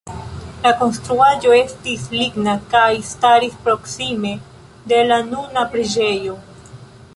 La konstruaĵo estis ligna kaj staris proksime de la nuna preĝejo.